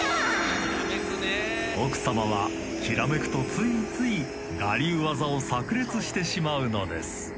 ［奥様はきらめくとついつい我流技を炸裂してしまうのです］